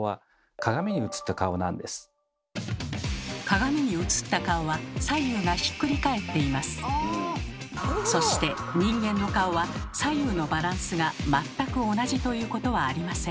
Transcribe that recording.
鏡にうつった顔はそして人間の顔は左右のバランスが全く同じということはありません。